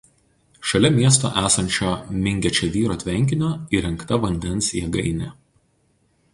Šalia miesto esančio Mingečevyro tvenkinio įrengta vandens jėgainė.